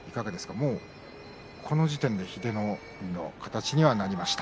もうこの時点で英乃海の形になりました。